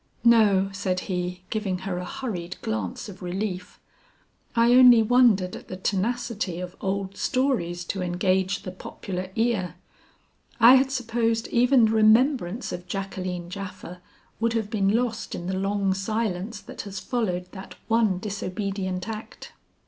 "No," said he, giving her a hurried glance of relief, "I only wondered at the tenacity of old stories to engage the popular ear. I had supposed even the remembrance of Jacqueline Japha would have been lost in the long silence that has followed that one disobedient act."